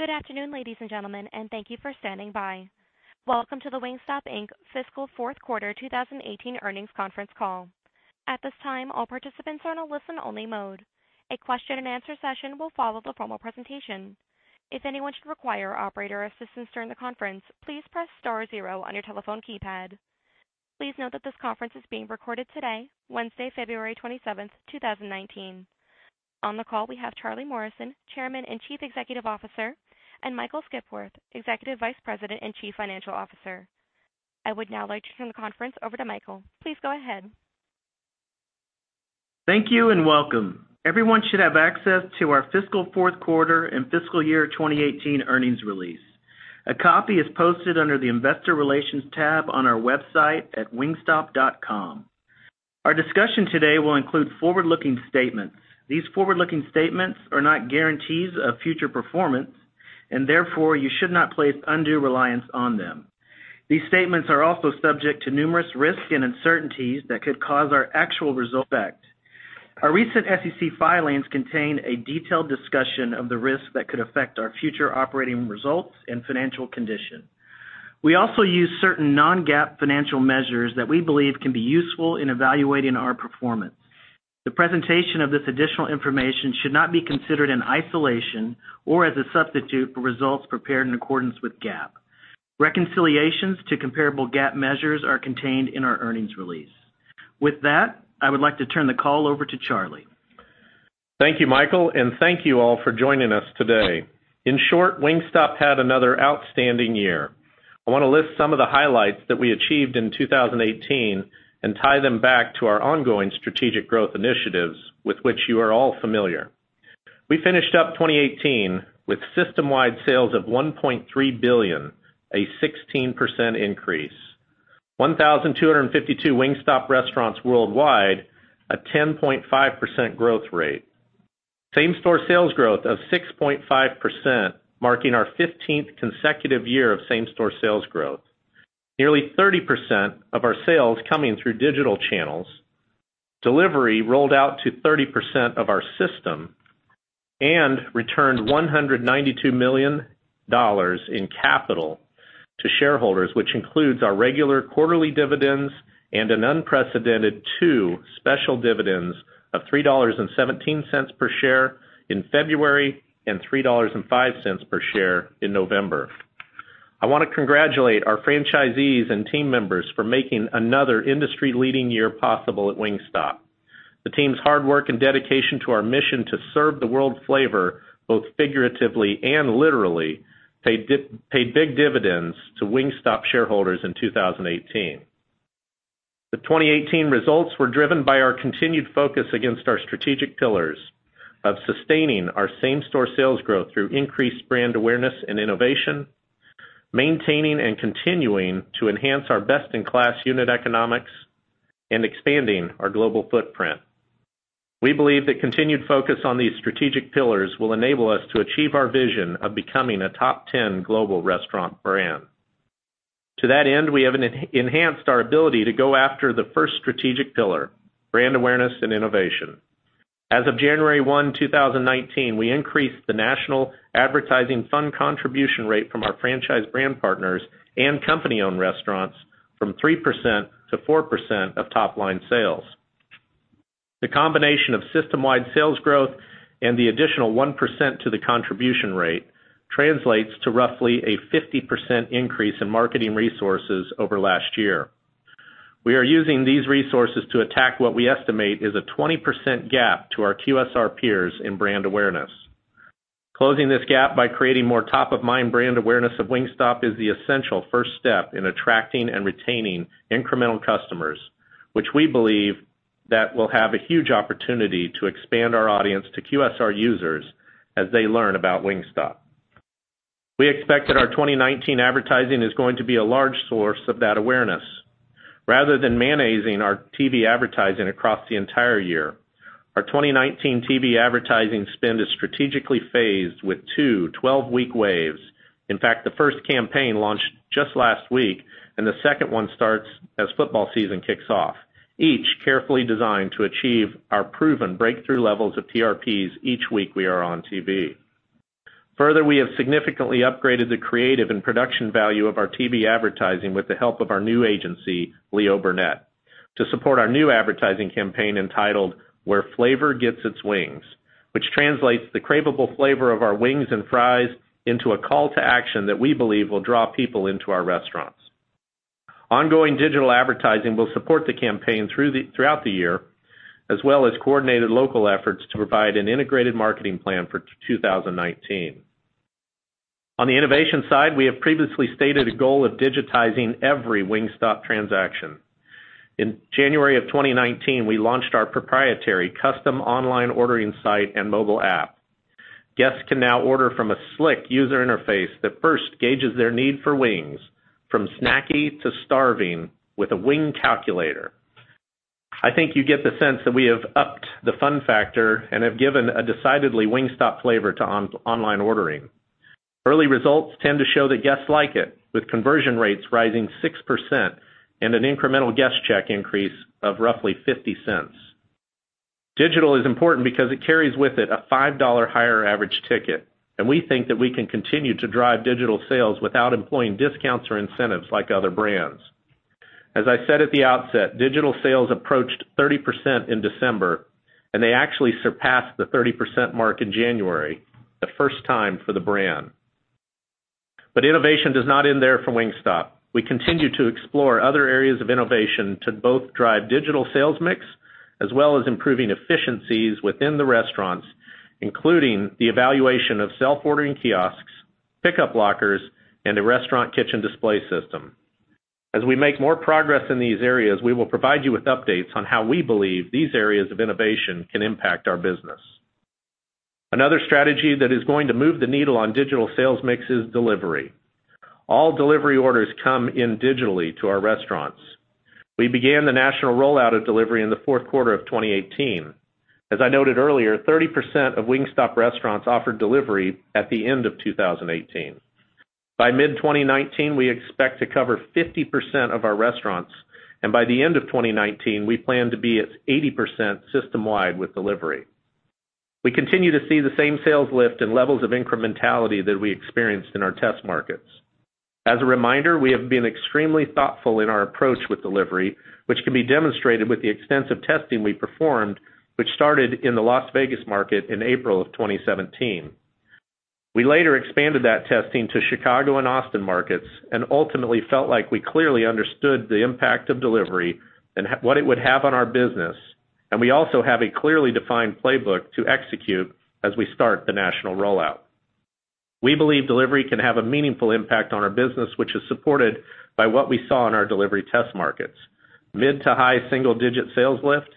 Good afternoon, ladies and gentlemen, thank you for standing by. Welcome to the Wingstop Inc. Fiscal Fourth Quarter 2018 Earnings Conference Call. At this time, all participants are in a listen only mode. A question and answer session will follow the formal presentation. If anyone should require operator assistance during the conference, please press star zero on your telephone keypad. Please note that this conference is being recorded today, Wednesday, February 27, 2019. On the call, we have Charlie Morrison, Chairman and Chief Executive Officer, and Michael Skipworth, Executive Vice President and Chief Financial Officer. I would now like to turn the conference over to Michael. Please go ahead. Thank you, welcome. Everyone should have access to our fiscal fourth quarter and fiscal year 2018 earnings release. A copy is posted under the investor relations tab on our website at wingstop.com. Our discussion today will include forward-looking statements. These forward-looking statements are not guarantees of future performance, therefore, you should not place undue reliance on them. These statements are also subject to numerous risks and uncertainties that could cause our actual results to differ. Our recent SEC filings contain a detailed discussion of the risks that could affect our future operating results and financial condition. We also use certain non-GAAP financial measures that we believe can be useful in evaluating our performance. The presentation of this additional information should not be considered in isolation or as a substitute for results prepared in accordance with GAAP. Reconciliations to comparable GAAP measures are contained in our earnings release. With that, I would like to turn the call over to Charlie. Thank you, Michael, thank you all for joining us today. In short, Wingstop had another outstanding year. I want to list some of the highlights that we achieved in 2018, tie them back to our ongoing strategic growth initiatives with which you are all familiar. We finished up 2018 with system-wide sales of $1.3 billion, a 16% increase, 1,252 Wingstop restaurants worldwide, a 10.5% growth rate, same-store sales growth of 6.5%, marking our 15th consecutive year of same-store sales growth. Nearly 30% of our sales coming through digital channels. Delivery rolled out to 30% of our system, returned $192 million in capital to shareholders, which includes our regular quarterly dividends and an unprecedented two special dividends of $3.17 per share in February and $3.05 per share in November. I want to congratulate our franchisees and team members for making another industry-leading year possible at Wingstop. The team's hard work and dedication to our mission to serve the world flavor, both figuratively and literally, paid big dividends to Wingstop shareholders in 2018. The 2018 results were driven by our continued focus against our strategic pillars of sustaining our same store sales growth through increased brand awareness and innovation, maintaining and continuing to enhance our best-in-class unit economics, and expanding our global footprint. We believe that continued focus on these strategic pillars will enable us to achieve our vision of becoming a top 10 global restaurant brand. To that end, we have enhanced our ability to go after the first strategic pillar, brand awareness and innovation. As of January 1, 2019, we increased the national advertising fund contribution rate from our franchise brand partners and company-owned restaurants from 3% to 4% of top-line sales. The combination of system-wide sales growth and the additional 1% to the contribution rate translates to roughly a 50% increase in marketing resources over last year. We are using these resources to attack what we estimate is a 20% gap to our QSR peers in brand awareness. Closing this gap by creating more top-of-mind brand awareness of Wingstop is the essential first step in attracting and retaining incremental customers, which we believe that will have a huge opportunity to expand our audience to QSR users as they learn about Wingstop. We expect that our 2019 advertising is going to be a large source of that awareness. Rather than managing our TV advertising across the entire year, our 2019 TV advertising spend is strategically phased with two 12-week waves. The first campaign launched just last week, and the second one starts as football season kicks off, each carefully designed to achieve our proven breakthrough levels of TRPs each week we are on TV. We have significantly upgraded the creative and production value of our TV advertising with the help of our new agency, Leo Burnett, to support our new advertising campaign entitled "Where Flavor Gets Its Wings," which translates the cravable flavor of our wings and fries into a call to action that we believe will draw people into our restaurants. Ongoing digital advertising will support the campaign throughout the year, as well as coordinated local efforts to provide an integrated marketing plan for 2019. On the innovation side, we have previously stated a goal of digitizing every Wingstop transaction. In January of 2019, we launched our proprietary custom online ordering site and mobile app. Guests can now order from a slick user interface that first gauges their need for wings, from snacky to starving, with a wing calculator. I think you get the sense that we have upped the fun factor and have given a decidedly Wingstop flavor to online ordering. Early results tend to show that guests like it, with conversion rates rising 6% and an incremental guest check increase of roughly $0.50. Digital is important because it carries with it a $5 higher average ticket, and we think that we can continue to drive digital sales without employing discounts or incentives like other brands. As I said at the outset, digital sales approached 30% in December, and they actually surpassed the 30% mark in January, the first time for the brand. Innovation does not end there for Wingstop. We continue to explore other areas of innovation to both drive digital sales mix as well as improving efficiencies within the restaurants, including the evaluation of self-ordering kiosks, pickup lockers, and a restaurant kitchen display system. As we make more progress in these areas, we will provide you with updates on how we believe these areas of innovation can impact our business. Another strategy that is going to move the needle on digital sales mix is delivery. All delivery orders come in digitally to our restaurants. We began the national rollout of delivery in the fourth quarter of 2018. As I noted earlier, 30% of Wingstop restaurants offered delivery at the end of 2018. By mid-2019, we expect to cover 50% of our restaurants, and by the end of 2019, we plan to be at 80% system-wide with delivery. We continue to see the same sales lift and levels of incrementality that we experienced in our test markets. As a reminder, we have been extremely thoughtful in our approach with delivery, which can be demonstrated with the extensive testing we performed, which started in the Las Vegas market in April of 2017. We later expanded that testing to Chicago and Austin markets and ultimately felt like we clearly understood the impact of delivery and what it would have on our business. We also have a clearly defined playbook to execute as we start the national rollout. We believe delivery can have a meaningful impact on our business, which is supported by what we saw in our delivery test markets. Mid to high single-digit sales lift,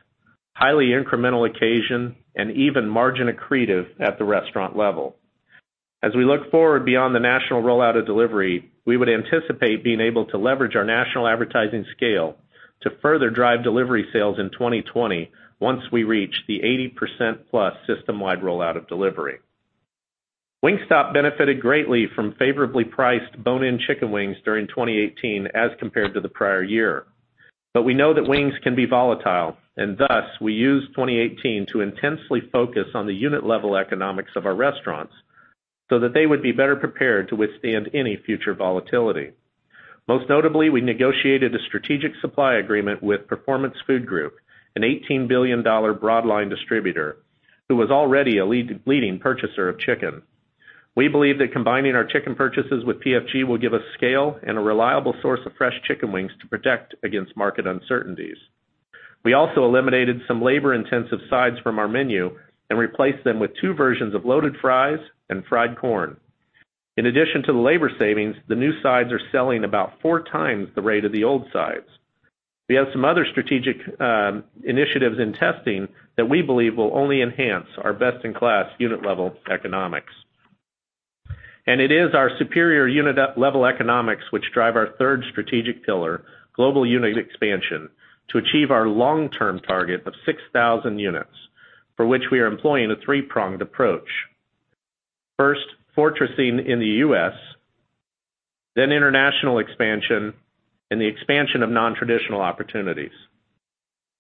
highly incremental occasion, and even margin accretive at the restaurant level. As we look forward beyond the national rollout of delivery, we would anticipate being able to leverage our national advertising scale to further drive delivery sales in 2020 once we reach the 80%-plus system-wide rollout of delivery. Wingstop benefited greatly from favorably priced bone-in chicken wings during 2018 as compared to the prior year. We know that wings can be volatile, and thus, we used 2018 to intensely focus on the unit-level economics of our restaurants so that they would be better prepared to withstand any future volatility. Most notably, we negotiated a strategic supply agreement with Performance FoodGroup, an $18 billion broad line distributor who was already a leading purchaser of chicken. We believe that combining our chicken purchases with PFG will give us scale and a reliable source of fresh chicken wings to protect against market uncertainties. We also eliminated some labor-intensive sides from our menu and replaced them with two versions of loaded fries and fried corn. In addition to the labor savings, the new sides are selling about four times the rate of the old sides. We have some other strategic initiatives in testing that we believe will only enhance our best-in-class unit-level economics. It is our superior unit-level economics which drive our third strategic pillar, global unit expansion, to achieve our long-term target of 6,000 units, for which we are employing a three-pronged approach. First, fortressing in the U.S., then international expansion, and the expansion of non-traditional opportunities.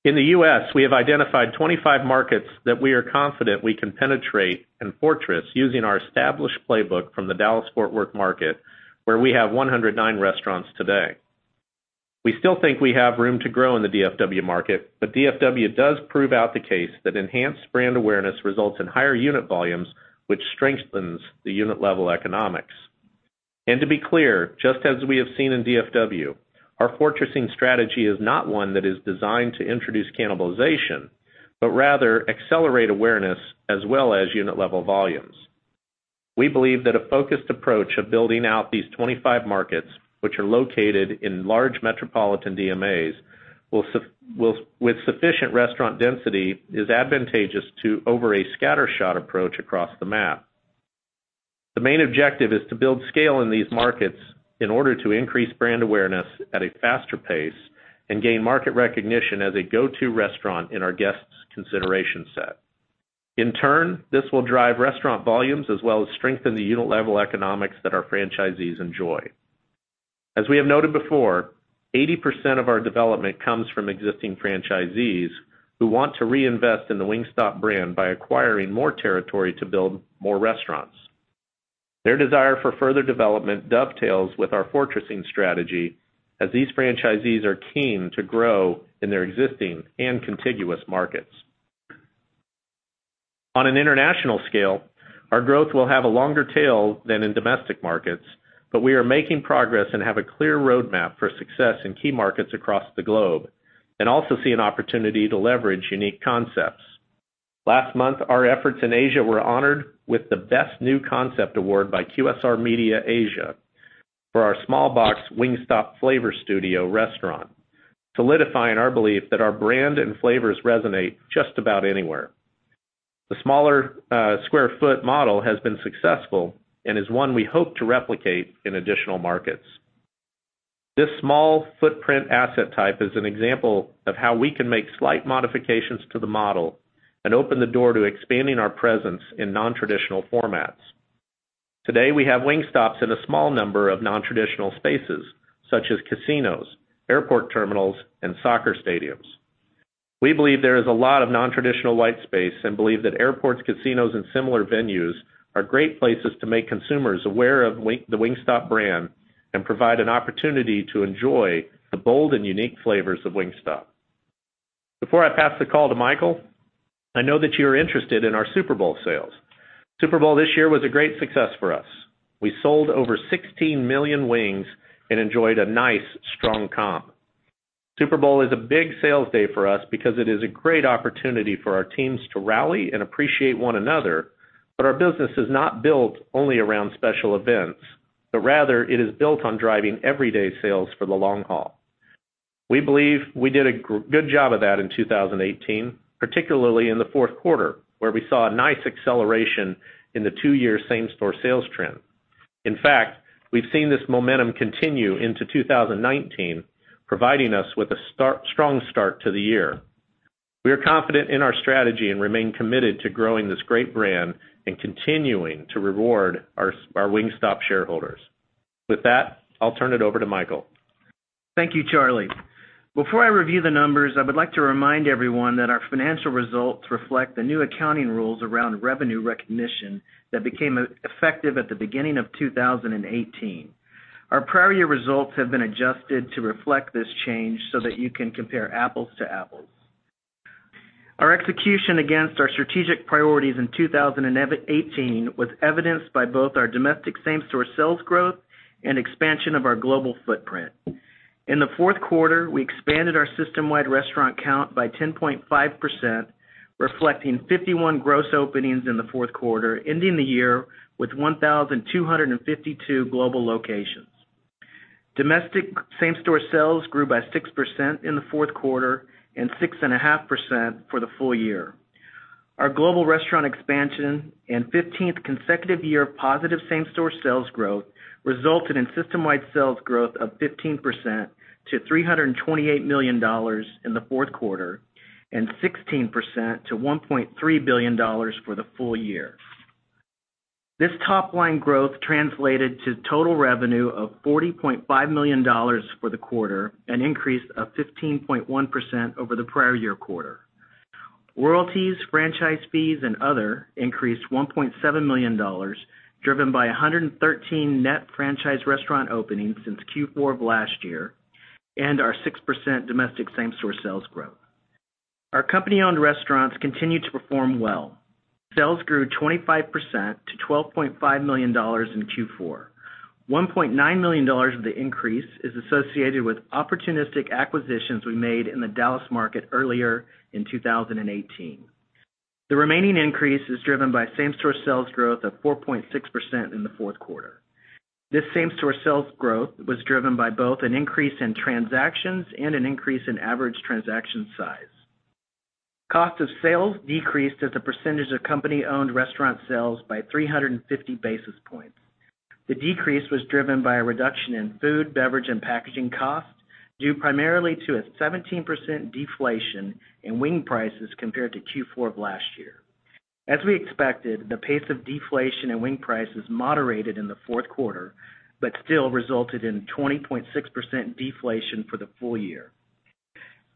In the U.S., we have identified 25 markets that we are confident we can penetrate and fortress using our established playbook from the Dallas-Fort Worth market, where we have 109 restaurants today. We still think we have room to grow in the DFW market, DFW does prove out the case that enhanced brand awareness results in higher unit volumes, which strengthens the unit-level economics. To be clear, just as we have seen in DFW, our fortressing strategy is not one that is designed to introduce cannibalization, but rather accelerate awareness as well as unit-level volumes. We believe that a focused approach of building out these 25 markets, which are located in large metropolitan DMAs with sufficient restaurant density, is advantageous to over a scattershot approach across the map. The main objective is to build scale in these markets in order to increase brand awareness at a faster pace and gain market recognition as a go-to restaurant in our guests' consideration set. In turn, this will drive restaurant volumes as well as strengthen the unit-level economics that our franchisees enjoy. As we have noted before, 80% of our development comes from existing franchisees who want to reinvest in the Wingstop brand by acquiring more territory to build more restaurants. Their desire for further development dovetails with our fortressing strategy, as these franchisees are keen to grow in their existing and contiguous markets. On an international scale, our growth will have a longer tail than in domestic markets, we are making progress and have a clear roadmap for success in key markets across the globe and also see an opportunity to leverage unique concepts. Last month, our efforts in Asia were honored with the Best New Concept award by QSR Media Asia for our small box Wingstop Flavor Studio restaurant, solidifying our belief that our brand and flavors resonate just about anywhere. The smaller square foot model has been successful and is one we hope to replicate in additional markets. This small footprint asset type is an example of how we can make slight modifications to the model and open the door to expanding our presence in non-traditional formats. Today, we have Wingstops in a small number of non-traditional spaces, such as casinos, airport terminals, and soccer stadiums. We believe there is a lot of non-traditional white space and believe that airports, casinos, and similar venues are great places to make consumers aware of the Wingstop brand and provide an opportunity to enjoy the bold and unique flavors of Wingstop. Before I pass the call to Michael, I know that you're interested in our Super Bowl sales. Super Bowl this year was a great success for us. We sold over 16 million wings and enjoyed a nice strong comp. Super Bowl is a big sales day for us because it is a great opportunity for our teams to rally and appreciate one another, our business is not built only around special events, rather it is built on driving everyday sales for the long haul. We believe we did a good job of that in 2018, particularly in the fourth quarter, where we saw a nice acceleration in the two-year same-store sales trend. In fact, we've seen this momentum continue into 2019, providing us with a strong start to the year. We are confident in our strategy and remain committed to growing this great brand and continuing to reward our Wingstop shareholders. With that, I'll turn it over to Michael. Thank you, Charlie. Before I review the numbers, I would like to remind everyone that our financial results reflect the new accounting rules around revenue recognition that became effective at the beginning of 2018. Our prior year results have been adjusted to reflect this change so that you can compare apples to apples. Our execution against our strategic priorities in 2018 was evidenced by both our domestic same-store sales growth and expansion of our global footprint. In the fourth quarter, we expanded our system-wide restaurant count by 10.5%, reflecting 51 gross openings in the fourth quarter, ending the year with 1,252 global locations. Domestic same-store sales grew by 6% in the fourth quarter and 6.5% for the full year. Our global restaurant expansion and 15th consecutive year of positive same-store sales growth resulted in system-wide sales growth of 15% to $328 million in the fourth quarter, and 16% to $1.3 billion for the full year. This top-line growth translated to total revenue of $40.5 million for the quarter, an increase of 15.1% over the prior year quarter. Royalties, franchise fees, and other increased $1.7 million, driven by 113 net franchise restaurant openings since Q4 of last year, and our 6% domestic same-store sales growth. Our company-owned restaurants continued to perform well. Sales grew 25% to $12.5 million in Q4. $1.9 million of the increase is associated with opportunistic acquisitions we made in the Dallas market earlier in 2018. The remaining increase is driven by same-store sales growth of 4.6% in the fourth quarter. This same-store sales growth was driven by both an increase in transactions and an increase in average transaction size. Cost of sales decreased as a percentage of company-owned restaurant sales by 350 basis points. The decrease was driven by a reduction in food, beverage, and packaging costs, due primarily to a 17% deflation in wing prices compared to Q4 of last year. As we expected, the pace of deflation and wing prices moderated in the fourth quarter, but still resulted in 20.6% deflation for the full year.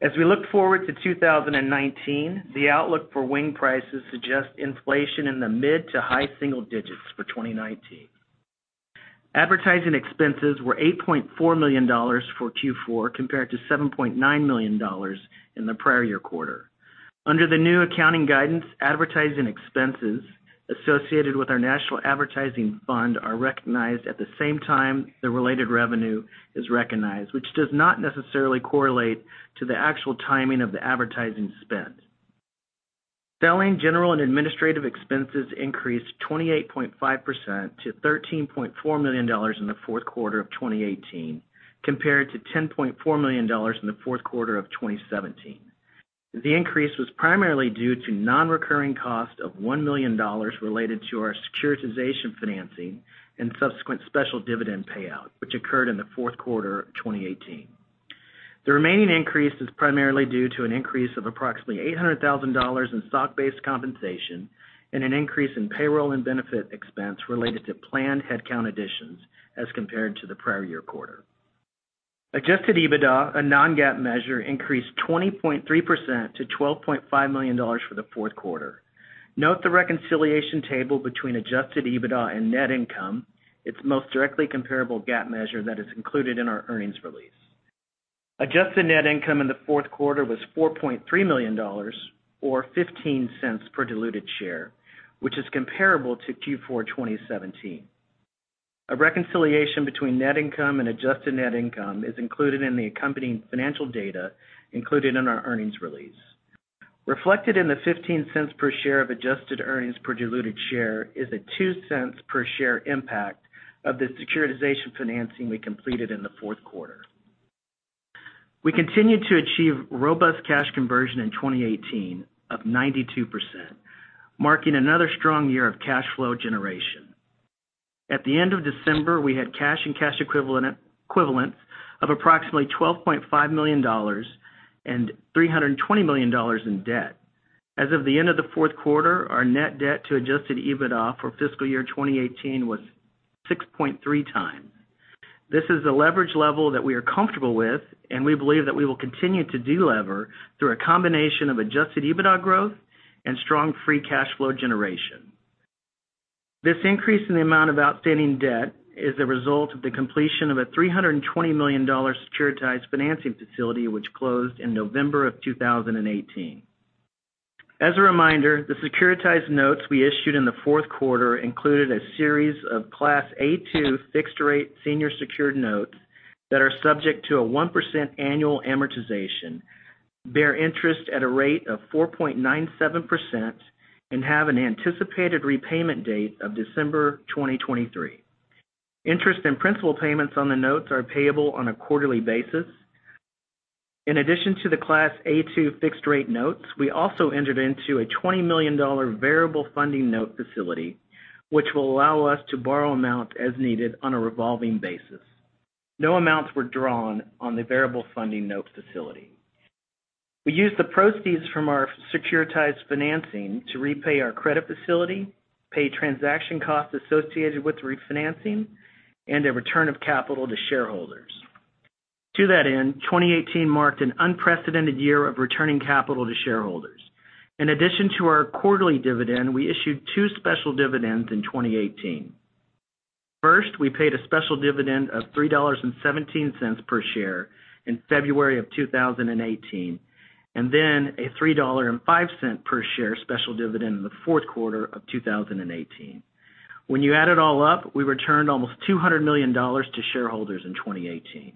As we look forward to 2019, the outlook for wing prices suggests inflation in the mid to high single digits for 2019. Advertising expenses were $8.4 million for Q4, compared to $7.9 million in the prior year quarter. Under the new accounting guidance, advertising expenses associated with our national advertising fund are recognized at the same time the related revenue is recognized, which does not necessarily correlate to the actual timing of the advertising spend. Selling, general, and administrative expenses increased 28.5% to $13.4 million in the fourth quarter of 2018, compared to $10.4 million in the fourth quarter of 2017. The increase was primarily due to non-recurring costs of $1 million related to our securitization financing and subsequent special dividend payout, which occurred in the fourth quarter of 2018. The remaining increase is primarily due to an increase of approximately $800,000 in stock-based compensation and an increase in payroll and benefit expense related to planned headcount additions as compared to the prior year quarter. Adjusted EBITDA, a non-GAAP measure, increased 20.3% to $12.5 million for the fourth quarter. Note the reconciliation table between adjusted EBITDA and net income, its most directly comparable GAAP measure that is included in our earnings release. Adjusted net income in the fourth quarter was $4.3 million, or $0.15 per diluted share, which is comparable to Q4 2017. A reconciliation between net income and adjusted net income is included in the accompanying financial data included in our earnings release. Reflected in the $0.15 per share of adjusted earnings per diluted share is a $0.02 per share impact of the securitization financing we completed in the fourth quarter. We continued to achieve robust cash conversion in 2018 of 92%, marking another strong year of cash flow generation. At the end of December, we had cash and cash equivalents of approximately $12.5 million and $320 million in debt. As of the end of the fourth quarter, our net debt to adjusted EBITDA for fiscal year 2018 was 6.3 times. This is a leverage level that we are comfortable with, and we believe that we will continue to de-lever through a combination of adjusted EBITDA growth and strong free cash flow generation. This increase in the amount of outstanding debt is a result of the completion of a $320 million securitized financing facility, which closed in November of 2018. As a reminder, the securitized notes we issued in the fourth quarter included a series of Class A-2 fixed rate senior secured notes that are subject to a 1% annual amortization, bear interest at a rate of 4.97%, and have an anticipated repayment date of December 2023. Interest and principal payments on the notes are payable on a quarterly basis. In addition to the Class A-2 fixed rate notes, we also entered into a $20 million variable funding note facility, which will allow us to borrow amount as needed on a revolving basis. No amounts were drawn on the variable funding note facility. We used the proceeds from our securitized financing to repay our credit facility, pay transaction costs associated with the refinancing, and a return of capital to shareholders. To that end, 2018 marked an unprecedented year of returning capital to shareholders. In addition to our quarterly dividend, we issued two special dividends in 2018. First, we paid a special dividend of $3.17 per share in February of 2018, and then a $3.05 per share special dividend in the fourth quarter of 2018. When you add it all up, we returned almost $200 million to shareholders in 2018.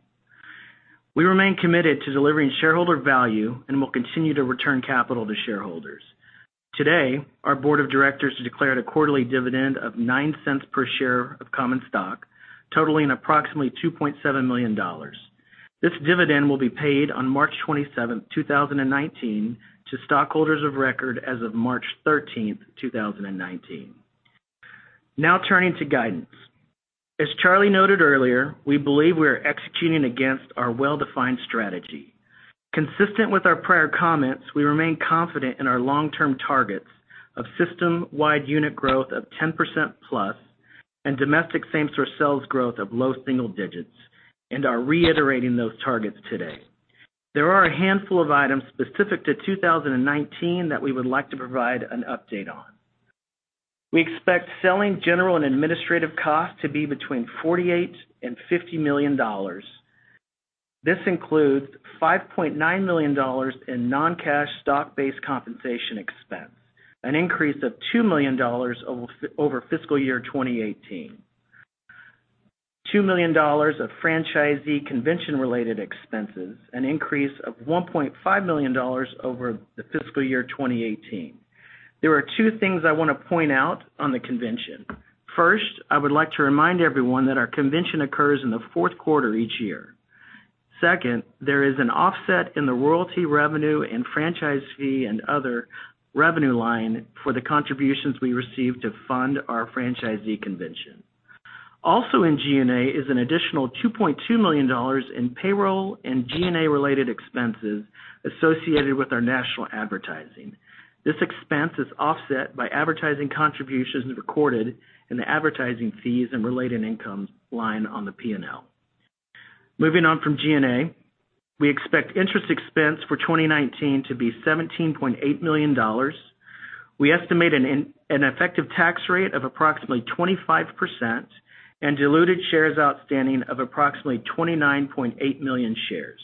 We remain committed to delivering shareholder value and will continue to return capital to shareholders. Today, our board of directors declared a quarterly dividend of $0.09 per share of common stock, totaling approximately $2.7 million. This dividend will be paid on March 27th, 2019, to stockholders of record as of March 13th, 2019. Now turning to guidance. As Charlie noted earlier, we believe we are executing against our well-defined strategy. Consistent with our prior comments, we remain confident in our long-term targets of system-wide unit growth of 10% plus and domestic same-store sales growth of low single digits and are reiterating those targets today. There are a handful of items specific to 2019 that we would like to provide an update on. We expect selling, general, and administrative costs to be between $48 million and $50 million. This includes $5.9 million in non-cash stock-based compensation expense, an increase of $2 million over fiscal year 2018. $2 million of franchisee convention related expenses, an increase of $1.5 million over the fiscal year 2018. There are two things I want to point out on the convention. First, I would like to remind everyone that our convention occurs in the fourth quarter each year. Second, there is an offset in the royalty revenue and franchise fee and other revenue line for the contributions we receive to fund our franchisee convention. Also in G&A is an additional $2.2 million in payroll and G&A related expenses associated with our national advertising. This expense is offset by advertising contributions recorded in the advertising fees and related incomes line on the P&L. Moving on from G&A, we expect interest expense for 2019 to be $17.8 million. We estimate an effective tax rate of approximately 25% and diluted shares outstanding of approximately 29.8 million shares.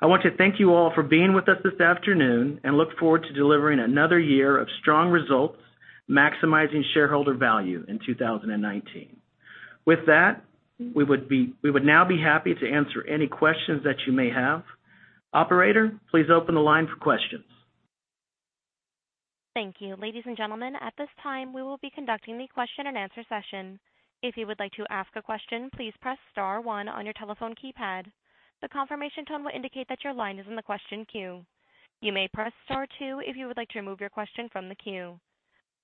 I want to thank you all for being with us this afternoon and look forward to delivering another year of strong results, maximizing shareholder value in 2019. With that, we would now be happy to answer any questions that you may have. Operator, please open the line for questions. Thank you. Ladies and gentlemen, at this time, we will be conducting the question and answer session. If you would like to ask a question, please press star one on your telephone keypad. The confirmation tone will indicate that your line is in the question queue. You may press star two if you would like to remove your question from the queue.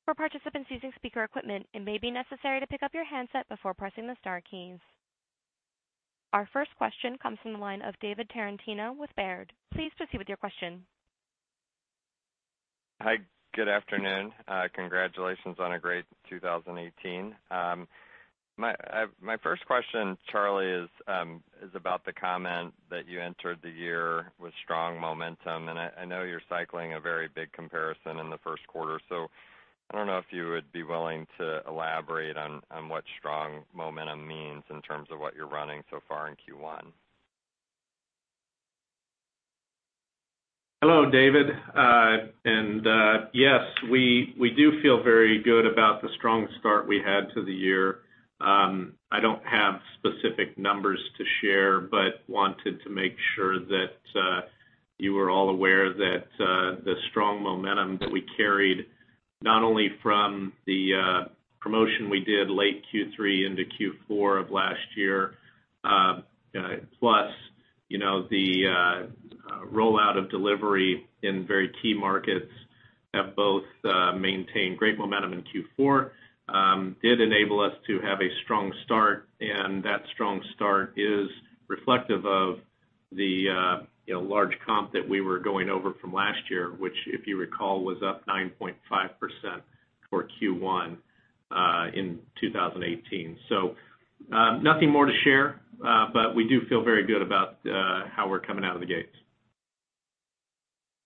For participants using speaker equipment, it may be necessary to pick up your handset before pressing the star keys. Our first question comes from the line of David Tarantino with Baird. Please proceed with your question. Hi. Good afternoon. Congratulations on a great 2018. My first question, Charlie, is about the comment that you entered the year with strong momentum. I know you're cycling a very big comparison in the first quarter, I don't know if you would be willing to elaborate on what strong momentum means in terms of what you're running so far in Q1. Hello, David. Yes, we do feel very good about the strong start we had to the year. I don't have specific numbers to share, but wanted to make sure that you were all aware that the strong momentum that we carried, not only from the promotion we did late Q3 into Q4 of last year, plus the rollout of delivery in very key markets have both maintained great momentum in Q4, did enable us to have a strong start, and that strong start is reflective of The large comp that we were going over from last year, which if you recall, was up 9.5% for Q1 in 2018. Nothing more to share, but we do feel very good about how we're coming out of the gates.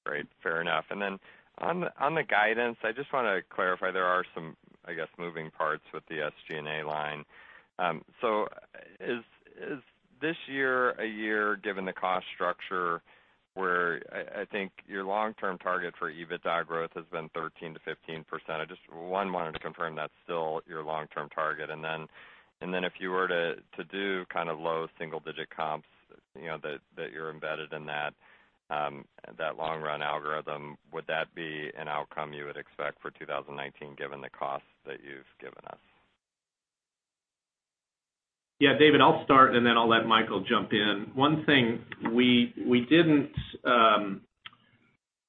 Great, fair enough. Then on the guidance, I just want to clarify, there are some, I guess, moving parts with the SG&A line. Is this year a year, given the cost structure, where I think your long-term target for EBITDA growth has been 13%-15%. I just, 1, wanted to confirm that's still your long-term target. Then if you were to do low single-digit comps that you're embedded in that long-run algorithm, would that be an outcome you would expect for 2019 given the costs that you've given us? Yeah, David, I'll start and then I'll let Michael jump in. One thing, we didn't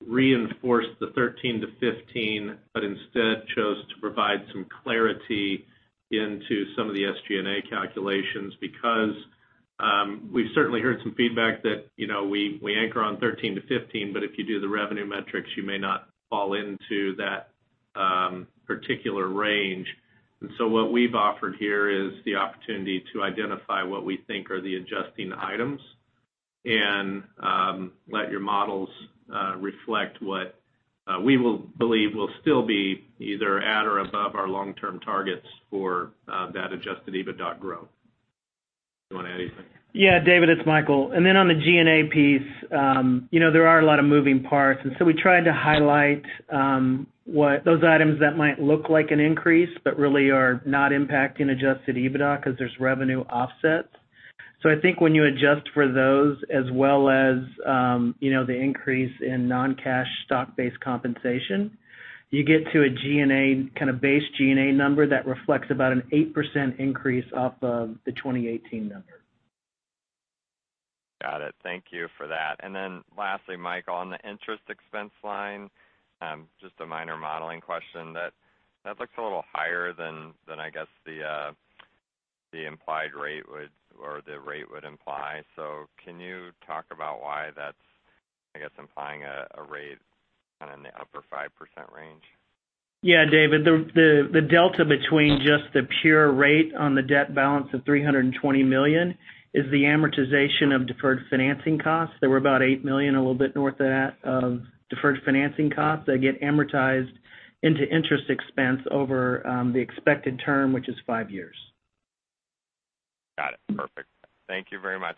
reinforce the 13%-15%, but instead chose to provide some clarity into some of the SG&A calculations, because we've certainly heard some feedback that we anchor on 13%-15%, but if you do the revenue metrics, you may not fall into that particular range. So what we've offered here is the opportunity to identify what we think are the adjusting items and let your models reflect what we will believe will still be either at or above our long-term targets for that adjusted EBITDA growth. Do you want to add anything? Yeah, David, it's Michael. On the G&A piece, there are a lot of moving parts. We tried to highlight those items that might look like an increase but really are not impacting adjusted EBITDA because there's revenue offsets. I think when you adjust for those as well as the increase in non-cash stock-based compensation, you get to a base G&A number that reflects about an 8% increase off of the 2018 number. Got it. Thank you for that. Lastly, Michael, on the interest expense line, just a minor modeling question. That looks a little higher than, I guess, the implied rate would, or the rate would imply. Can you talk about why that's, I guess, implying a rate in the upper 5% range? Yeah, David, the delta between just the pure rate on the debt balance of $320 million is the amortization of deferred financing costs. There were about $8 million, a little bit north of that, of deferred financing costs that get amortized into interest expense over the expected term, which is five years. Got it. Perfect. Thank you very much.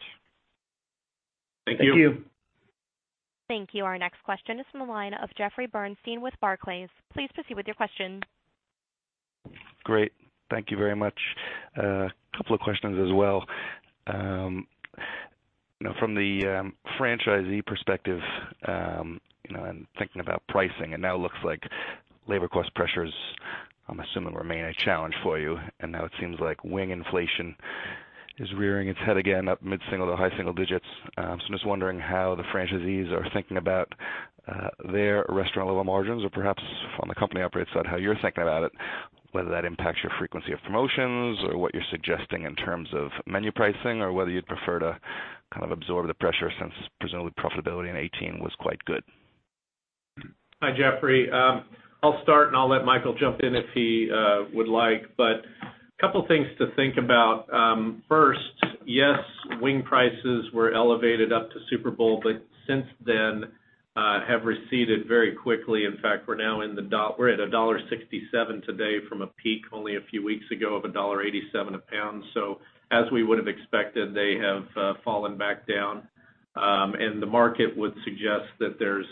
Thank you. Thank you. Thank you. Our next question is from the line of Jeffrey Bernstein with Barclays. Please proceed with your question. Great. Thank you very much. A couple of questions as well. From the franchisee perspective, and thinking about pricing, and now looks like labor cost pressures, I'm assuming remain a challenge for you. Now it seems like wing inflation is rearing its head again up mid-single to high single digits. I'm just wondering how the franchisees are thinking about their restaurant level margins or perhaps on the company operates side, how you're thinking about it, whether that impacts your frequency of promotions or what you're suggesting in terms of menu pricing or whether you'd prefer to absorb the pressure since presumably profitability in 2018 was quite good. Hi, Jeffrey. I'll start and I'll let Michael jump in if he would like, but a couple of things to think about. First, yes, wing prices were elevated up to Super Bowl, but since then have receded very quickly. In fact, we're at $1.67 today from a peak only a few weeks ago of $1.87 a pound. As we would have expected, they have fallen back down. The market would suggest that there's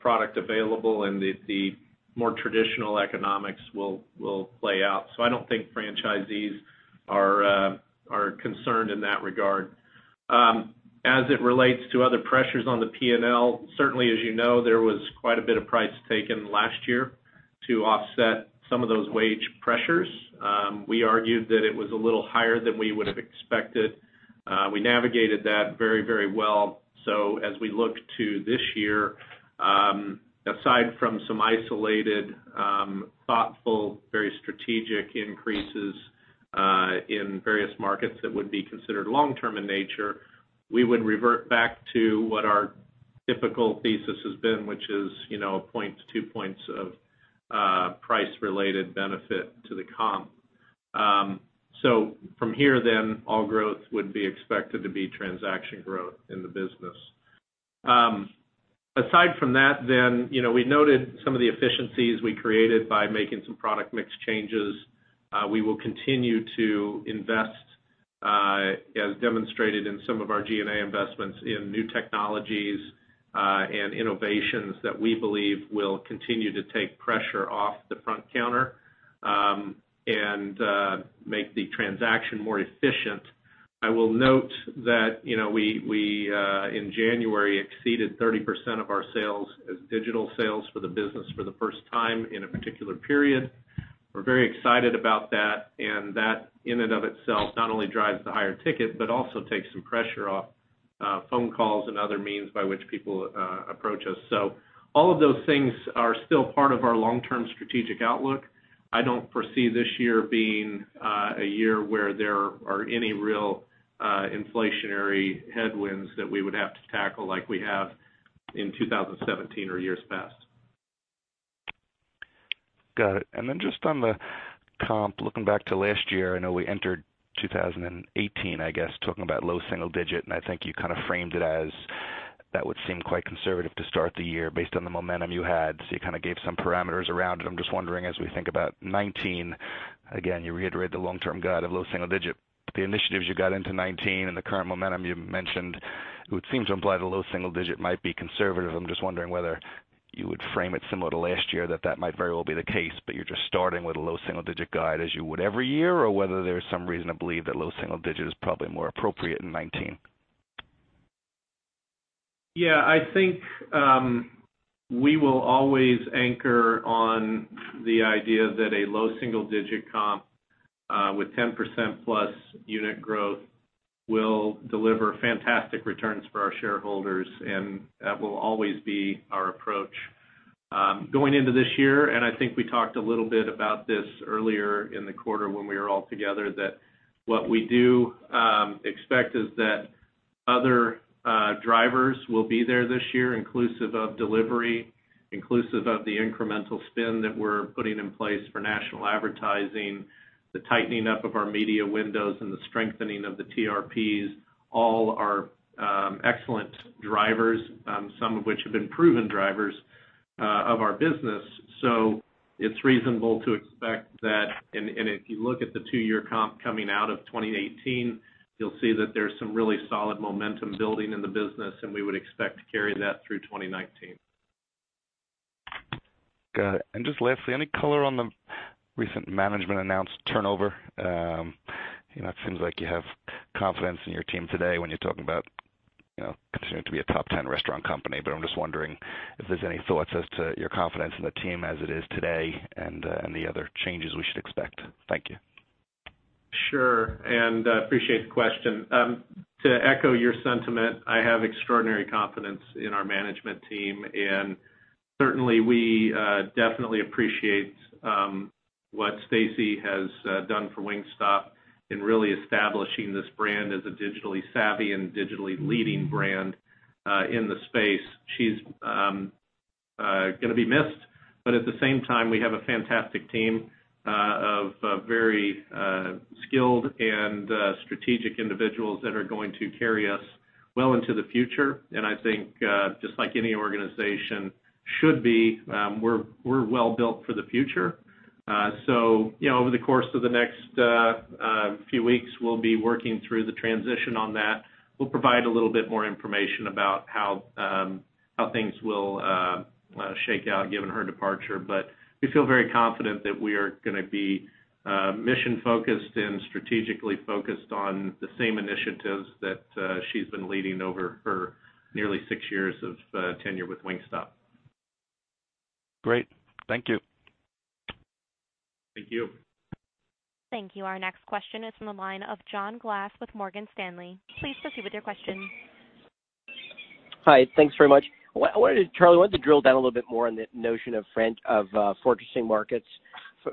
product available and the more traditional economics will play out. I don't think franchisees are concerned in that regard. As it relates to other pressures on the P&L, certainly as you know, there was quite a bit of price taken last year to offset some of those wage pressures. We argued that it was a little higher than we would have expected. We navigated that very well. As we look to this year, aside from some isolated thoughtful, very strategic increases in various markets that would be considered long-term in nature, we would revert back to what our typical thesis has been, which is one point to two points of price-related benefit to the comp. From here then, all growth would be expected to be transaction growth in the business. Aside from that, we noted some of the efficiencies we created by making some product mix changes. We will continue to invest, as demonstrated in some of our G&A investments in new technologies and innovations that we believe will continue to take pressure off the front counter and make the transaction more efficient. I will note that we in January exceeded 30% of our sales as digital sales for the business for the first time in a particular period. We're very excited about that, That in and of itself not only drives the higher ticket, but also takes some pressure off phone calls and other means by which people approach us. All of those things are still part of our long-term strategic outlook. I don't foresee this year being a year where there are any real inflationary headwinds that we would have to tackle like we have in 2017 or years past. Got it. Just on the comp, looking back to last year, I know we entered 2018, I guess, talking about low single digit, and I think you kind of framed it as that would seem quite conservative to start the year based on the momentum you had. You kind of gave some parameters around it. I'm just wondering, as we think about 2019, again, you reiterate the long-term guide of low single digit. The initiatives you got into 2019 and the current momentum you mentioned, it would seem to imply the low single digit might be conservative. I'm just wondering whether you would frame it similar to last year, that that might very well be the case, but you're just starting with a low single digit guide as you would every year, or whether there's some reason to believe that low single digit is probably more appropriate in 2019. I think we will always anchor on the idea that a low single digit comp with 10% plus unit growth will deliver fantastic returns for our shareholders, and that will always be our approach. Going into this year, I think we talked a little bit about this earlier in the quarter when we were all together, that what we do expect is that other drivers will be there this year, inclusive of delivery, inclusive of the incremental spin that we're putting in place for national advertising, the tightening up of our media windows, and the strengthening of the TRPs, all are excellent drivers, some of which have been proven drivers of our business. It's reasonable to expect that, if you look at the two-year comp coming out of 2018, you'll see that there's some really solid momentum building in the business, and we would expect to carry that through 2019. Got it. Just lastly, any color on the recent management announced turnover? It seems like you have confidence in your team today when you're talking about continuing to be a top 10 restaurant company. I'm just wondering if there's any thoughts as to your confidence in the team as it is today and the other changes we should expect. Thank you. Sure, appreciate the question. To echo your sentiment, I have extraordinary confidence in our management team. Certainly, we definitely appreciate what Stacy has done for Wingstop in really establishing this brand as a digitally savvy and digitally leading brand in the space. She's going to be missed. At the same time, we have a fantastic team of very skilled and strategic individuals that are going to carry us well into the future. I think just like any organization should be, we're well built for the future. Over the course of the next few weeks, we'll be working through the transition on that. We'll provide a little bit more information about how things will shake out given her departure. We feel very confident that we are going to be mission-focused and strategically focused on the same initiatives that she's been leading over her nearly six years of tenure with Wingstop. Great. Thank you. Thank you. Thank you. Our next question is from the line of Jon Glass with Morgan Stanley. Please proceed with your question. Hi. Thanks very much. Charlie, I wanted to drill down a little bit more on the notion of fortressing markets.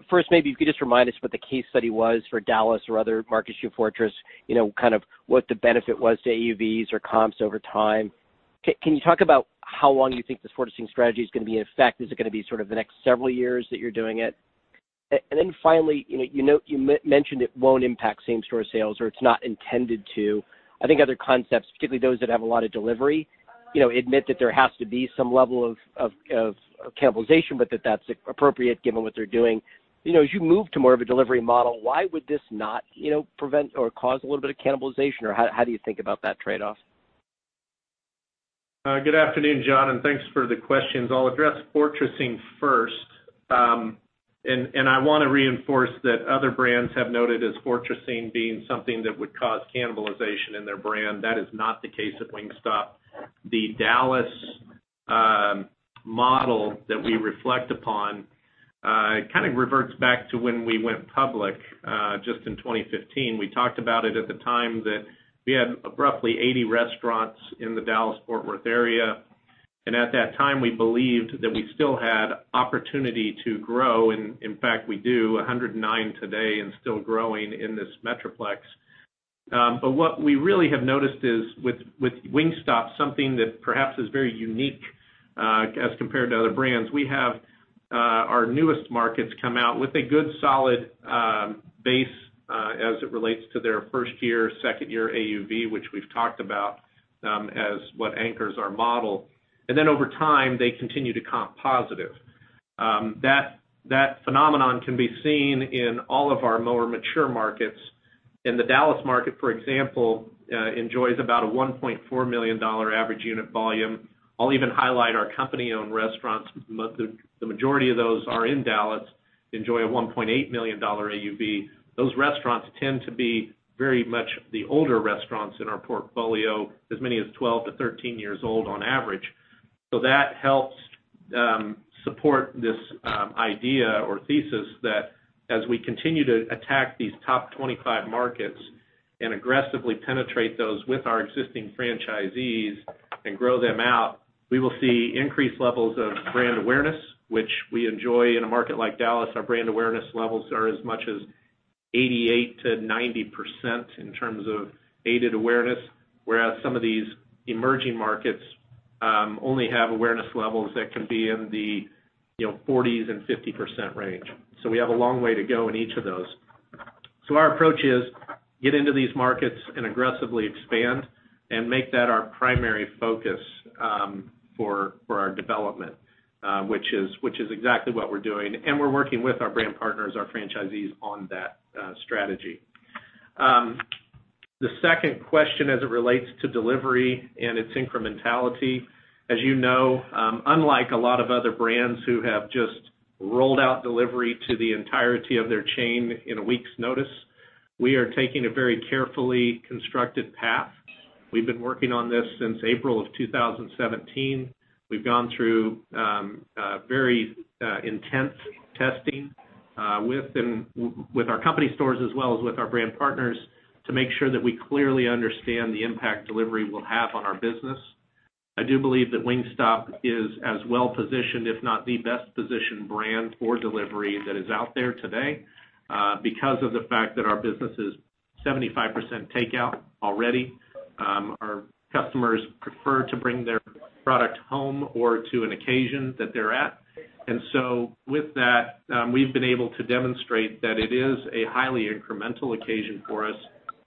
First, maybe if you could just remind us what the case study was for Dallas or other markets you fortress, kind of what the benefit was to AUVs or comps over time. Can you talk about how long you think this fortressing strategy is going to be in effect? Is it going to be sort of the next several years that you're doing it? Finally, you mentioned it won't impact same-store sales or it's not intended to. I think other concepts, particularly those that have a lot of delivery, admit that there has to be some level of cannibalization, but that that's appropriate given what they're doing. As you move to more of a delivery model, why would this not prevent or cause a little bit of cannibalization, or how do you think about that trade-off? Good afternoon, Jon, and thanks for the questions. I'll address fortressing first. I want to reinforce that other brands have noted as fortressing being something that would cause cannibalization in their brand. That is not the case at Wingstop. The Dallas model that we reflect upon kind of reverts back to when we went public just in 2015. We talked about it at the time that we had roughly 80 restaurants in the Dallas-Fort Worth area. At that time, we believed that we still had opportunity to grow, and in fact, we do, 109 today and still growing in this metroplex. What we really have noticed is with Wingstop, something that perhaps is very unique as compared to other brands, we have our newest markets come out with a good, solid base as it relates to their first-year, second-year AUV, which we've talked about as what anchors our model. Over time, they continue to comp positive. That phenomenon can be seen in all of our more mature markets. In the Dallas market, for example, enjoys about a $1.4 million average unit volume. I'll even highlight our company-owned restaurants. The majority of those are in Dallas, enjoy a $1.8 million AUV. Those restaurants tend to be very much the older restaurants in our portfolio, as many as 12 to 13 years old on average. That helps support this idea or thesis that as we continue to attack these top 25 markets and aggressively penetrate those with our existing franchisees and grow them out, we will see increased levels of brand awareness, which we enjoy. In a market like Dallas, our brand awareness levels are as much as 88%-90% in terms of aided awareness. Whereas some of these emerging markets only have awareness levels that could be in the 40s and 50% range. We have a long way to go in each of those. Our approach is get into these markets and aggressively expand and make that our primary focus for our development, which is exactly what we're doing. We're working with our brand partners, our franchisees on that strategy. The second question as it relates to delivery and its incrementality. As you know, unlike a lot of other brands who have just rolled out delivery to the entirety of their chain in a week's notice, we are taking a very carefully constructed path. We've been working on this since April of 2017. We've gone through very intense testing with our company stores as well as with our brand partners to make sure that we clearly understand the impact delivery will have on our business. I do believe that Wingstop is as well positioned, if not the best positioned brand for delivery that is out there today, because of the fact that our business is 75% takeout already. Our customers prefer to bring their product home or to an occasion that they're at. With that, we've been able to demonstrate that it is a highly incremental occasion for us,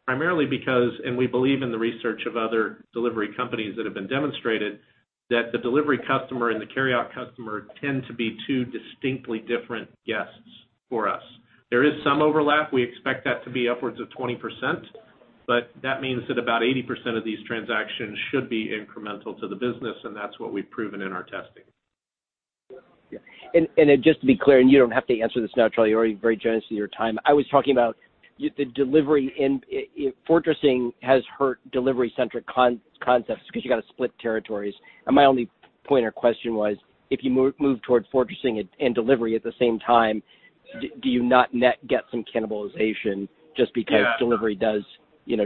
primarily because, and we believe in the research of other delivery companies that have been demonstrated, that the delivery customer and the carryout customer tend to be two distinctly different guests for us. There is some overlap. We expect that to be upwards of 20%, but that means that about 80% of these transactions should be incremental to the business, and that's what we've proven in our testing. Yeah. Just to be clear, and you don't have to answer this now, Charlie, you're already very generous with your time. I was talking about the delivery, fortressing has hurt delivery-centric concepts because you got to split territories. My only point or question was, if you move towards fortressing and delivery at the same time, do you not net get some cannibalization just because- Yeah delivery does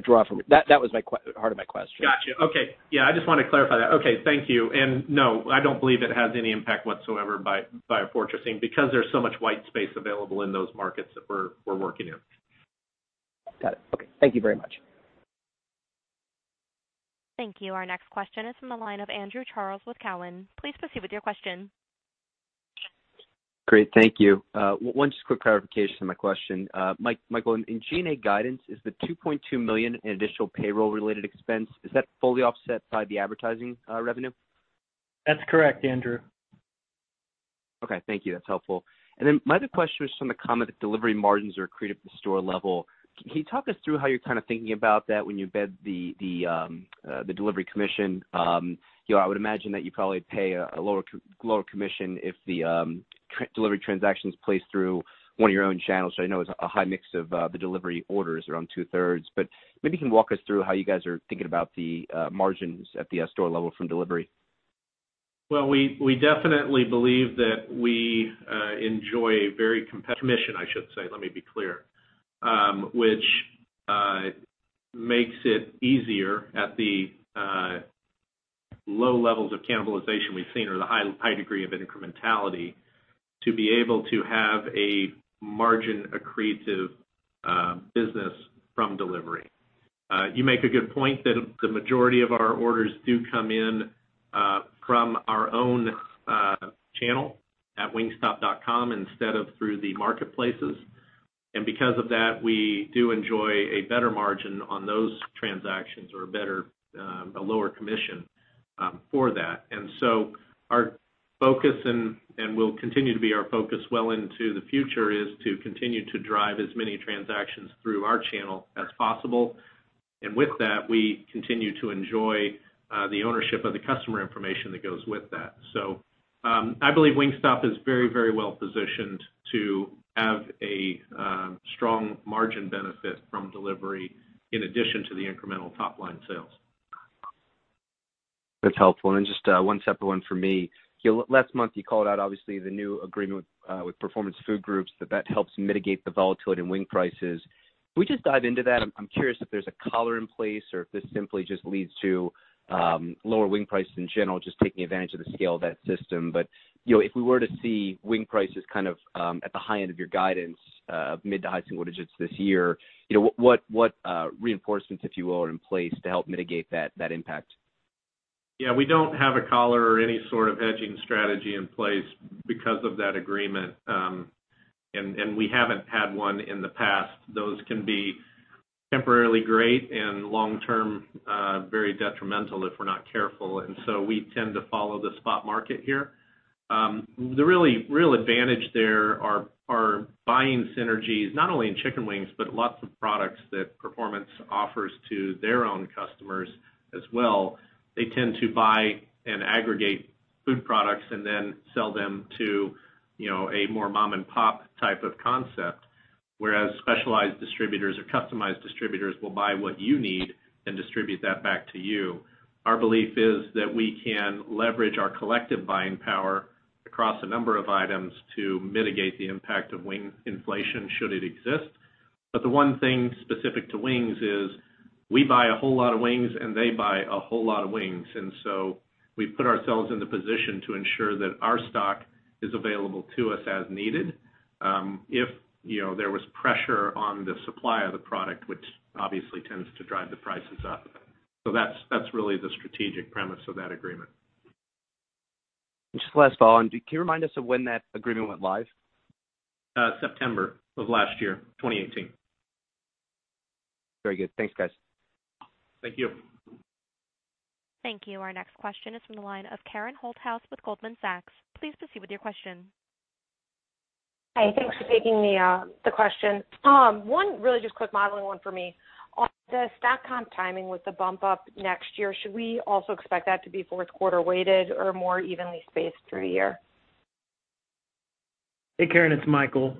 draw from. That was the heart of my question. Got you. Okay. Yeah, I just want to clarify that. Okay. Thank you. No, I don't believe it has any impact whatsoever by fortressing because there's so much white space available in those markets that we're working in. Got it. Okay. Thank you very much. Thank you. Our next question is from the line of Andrew Charles with Cowen. Please proceed with your question. Great. Thank you. One just quick clarification on my question. Michael, in G&A guidance, is the $2.2 million in additional payroll-related expense, is that fully offset by the advertising revenue? That's correct, Andrew. Okay. Thank you. That's helpful. Then my other question was from the comment that delivery margins are accretive at the store level. Can you talk us through how you're kind of thinking about that when you embed the delivery commission? I would imagine that you probably pay a lower commission if the delivery transaction's placed through one of your own channels. I know it's a high mix of the delivery orders around two-thirds. Maybe you can walk us through how you guys are thinking about the margins at the store level from delivery. We definitely believe that we enjoy a very competitive commission, I should say, let me be clear, which makes it easier at the low levels of cannibalization we've seen or the high degree of incrementality to be able to have a margin accretive business from delivery. You make a good point that the majority of our orders do come in from our own channel at wingstop.com instead of through the marketplaces. Because of that, we do enjoy a better margin on those transactions or a lower commission for that. Our focus, and will continue to be our focus well into the future, is to continue to drive as many transactions through our channel as possible. With that, we continue to enjoy the ownership of the customer information that goes with that. I believe Wingstop is very well positioned to have a strong margin benefit from delivery in addition to the incremental top-line sales. That's helpful. Just one separate one for me. Last month, you called out obviously the new agreement with Performance Food Group, that that helps mitigate the volatility in wing prices. Can we just dive into that? I'm curious if there's a collar in place or if this simply just leads to lower wing prices in general, just taking advantage of the scale of that system. If we were to see wing prices kind of at the high end of your guidance of mid to high single digits this year, what reinforcements, if you will, are in place to help mitigate that impact? Yeah. We don't have a collar or any sort of hedging strategy in place because of that agreement. We haven't had one in the past. Those can be temporarily great and long term, very detrimental if we're not careful. We tend to follow the spot market here. The real advantage there are buying synergies, not only in chicken wings, but lots of products that Performance offers to their own customers as well. They tend to buy and aggregate food products and then sell them to a more mom and pop type of concept, whereas specialized distributors or customized distributors will buy what you need and distribute that back to you. Our belief is that we can leverage our collective buying power across a number of items to mitigate the impact of wing inflation should it exist. The one thing specific to wings is we buy a whole lot of wings, and they buy a whole lot of wings. We put ourselves in the position to ensure that our stock is available to us as needed if there was pressure on the supply of the product, which obviously tends to drive the prices up. That's really the strategic premise of that agreement. Just last follow-on, can you remind us of when that agreement went live? September of last year, 2018. Very good. Thanks, guys. Thank you. Thank you. Our next question is from the line of Karen Holthouse with Goldman Sachs. Please proceed with your question. Hi. Thanks for taking the question. One really just quick modeling one for me. On the stock comp timing with the bump up next year, should we also expect that to be fourth quarter weighted or more evenly spaced through the year? Hey, Karen, it's Michael.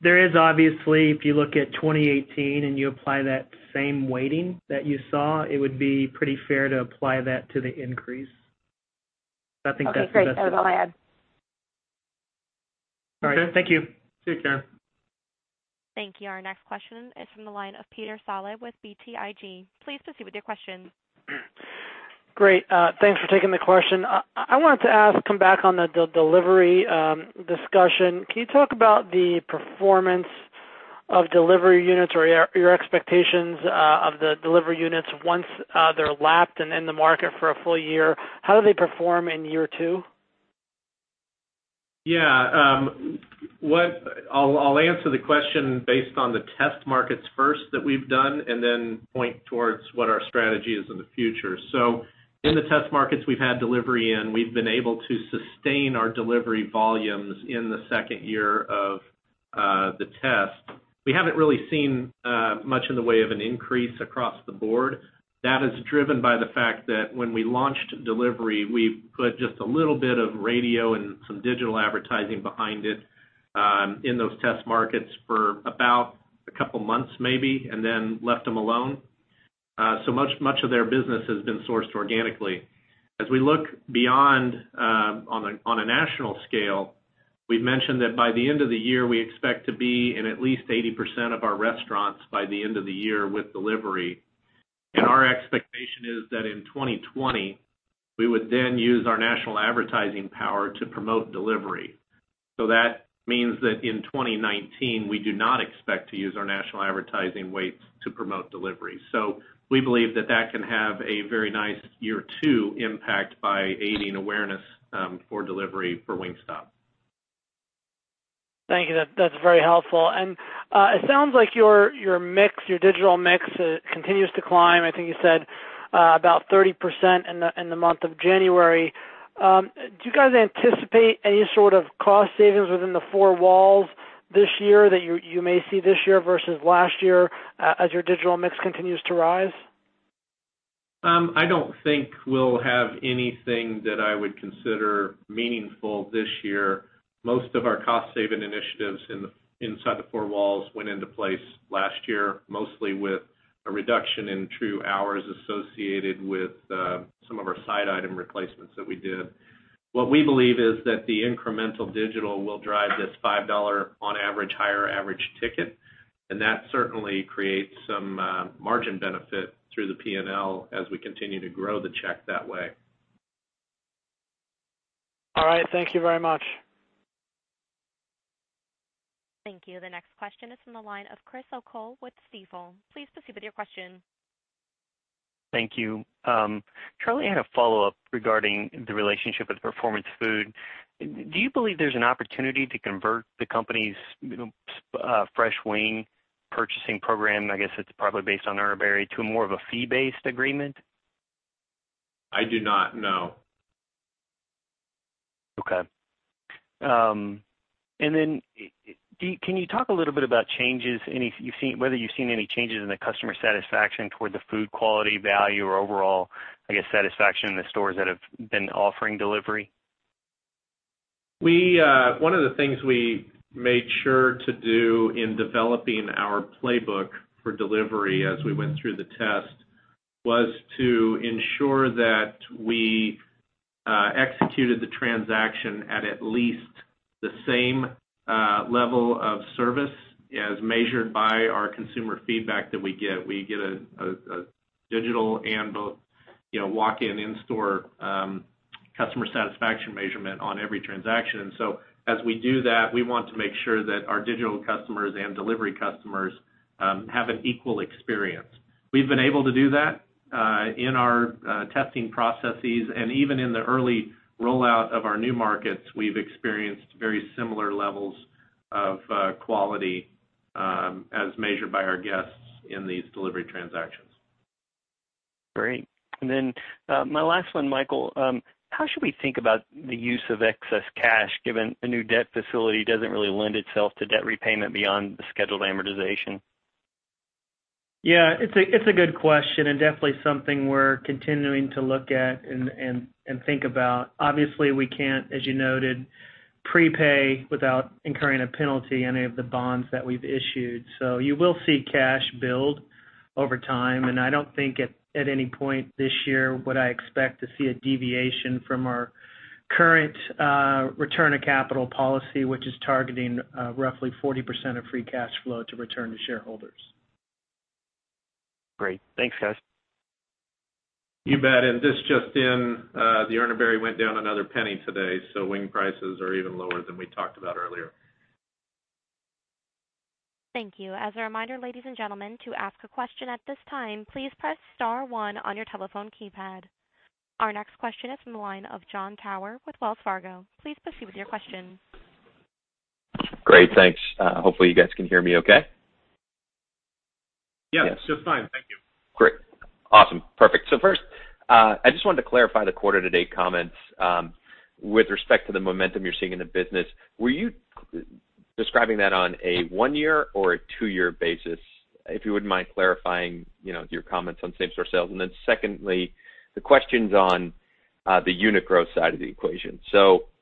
There is obviously, if you look at 2018 and you apply that same weighting that you saw, it would be pretty fair to apply that to the increase. I think that's the best. Okay, great. That was all I had. All right. Thank you. Okay. See you, Karen. Thank you. Our next question is from the line of Peter Saleh with BTIG. Please proceed with your question. Great. Thanks for taking the question. I wanted to come back on the delivery discussion. Can you talk about the performance of delivery units or your expectations of the delivery units once they're lapped and in the market for a full year? How do they perform in year two? Yeah. I'll answer the question based on the test markets first that we've done, then point towards what our strategy is in the future. In the test markets we've had delivery in, we've been able to sustain our delivery volumes in the second year of the test. We haven't really seen much in the way of an increase across the board. That is driven by the fact that when we launched delivery, we put just a little bit of radio and some digital advertising behind it, in those test markets for about a couple of months maybe, and then left them alone. Much of their business has been sourced organically. As we look beyond on a national scale, we've mentioned that by the end of the year, we expect to be in at least 80% of our restaurants by the end of the year with delivery. Our expectation is that in 2020, we would then use our national advertising power to promote delivery. That means that in 2019, we do not expect to use our national advertising weights to promote delivery. We believe that that can have a very nice year two impact by aiding awareness for delivery for Wingstop. Thank you. That's very helpful. It sounds like your digital mix continues to climb. I think you said about 30% in the month of January. Do you guys anticipate any sort of cost savings within the four walls this year that you may see this year versus last year as your digital mix continues to rise? I don't think we'll have anything that I would consider meaningful this year. Most of our cost-saving initiatives inside the four walls went into place last year, mostly with a reduction in true hours associated with some of our side item replacements that we did. What we believe is that the incremental digital will drive this $5 on average higher average ticket, and that certainly creates some margin benefit through the P&L as we continue to grow the check that way. All right. Thank you very much. Thank you. The next question is from the line of Chris O'Cull with Stifel. Please proceed with your question. Thank you. Charlie, I had a follow-up regarding the relationship with Performance Food. Do you believe there's an opportunity to convert the company's fresh wing purchasing program, I guess it's probably based on arbitrary, to more of a fee-based agreement? I do not, no. Okay. Can you talk a little bit about whether you've seen any changes in the customer satisfaction toward the food quality, value, or overall, I guess, satisfaction in the stores that have been offering delivery? One of the things we made sure to do in developing our playbook for delivery as we went through the test was to ensure that we executed the transaction at least the same level of service as measured by our consumer feedback that we get. We get a digital and both walk-in in-store customer satisfaction measurement on every transaction. As we do that, we want to make sure that our digital customers and delivery customers have an equal experience. We've been able to do that in our testing processes, and even in the early rollout of our new markets, we've experienced very similar levels of quality as measured by our guests in these delivery transactions. Great. My last one, Michael, how should we think about the use of excess cash given a new debt facility doesn't really lend itself to debt repayment beyond the scheduled amortization? It's a good question and definitely something we're continuing to look at and think about. Obviously, we can't, as you noted, pre-pay without incurring a penalty any of the bonds that we've issued. You will see cash build over time, and I don't think at any point this year would I expect to see a deviation from our current return to capital policy, which is targeting roughly 40% of free cash flow to return to shareholders. Great. Thanks, guys. You bet. This just in, the Urner Barry went down another $0.01 today, wing prices are even lower than we talked about earlier. Thank you. As a reminder, ladies and gentlemen, to ask a question at this time, please press star one on your telephone keypad. Our next question is from the line of Jon Tower with Wells Fargo. Please proceed with your question. Great, thanks. Hopefully, you guys can hear me okay. Yes. Yes. Just fine. Thank you. Great. Awesome. Perfect. First, I just wanted to clarify the quarter-to-date comments, with respect to the momentum you're seeing in the business. Were you describing that on a one-year or a two-year basis? If you wouldn't mind clarifying your comments on same-store sales. Secondly, the questions on the unit growth side of the equation.